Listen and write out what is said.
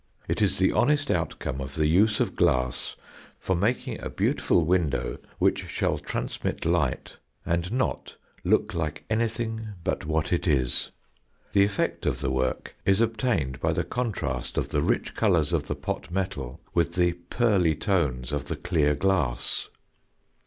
It is the honest outcome of the use of glass for making a beautiful window which shall transmit light and not look like anything but what it is. The effect of the work is obtained by the contrast of the rich colours of the pot metal with the pearly tones of the clear glass.